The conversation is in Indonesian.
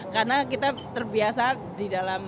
karena kita terbiasa di dalam